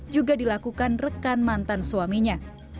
juga dilakukan rekan mantan suaminya